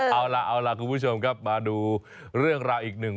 เอาล่ะเอาล่ะคุณผู้ชมครับมาดูเรื่องราวอีกหนึ่ง